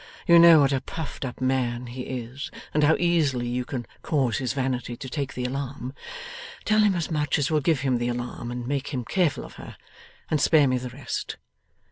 You know what a puffed up man he is, and how easily you can cause his vanity to take the alarm. Tell him as much as will give him the alarm and make him careful of her, and spare me the rest.